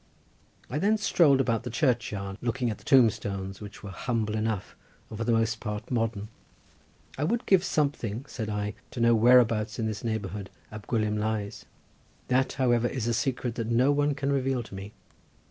I then strolled about the churchyard looking at the tomb stones, which were humble enough and for the most part modern. I would give something, said I, to know whereabouts in this neighbourhood Ab Gwilym lies. That, however, is a secret that no one can reveal to me.